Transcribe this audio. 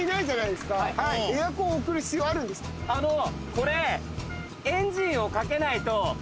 これ。